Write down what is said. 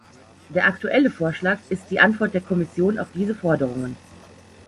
Der aktuelle Vorschlag ist die Antwort der Kommission auf diese Forderungen.